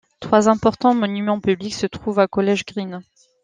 Trois importants monuments publics se trouvent à College Green.